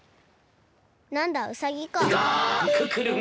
なんだうさぎか。